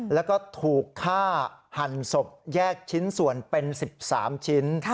แล้วก็ถูกฆ่าหันศพแยกชิ้นส่วนเป็น๑๓ชิ้น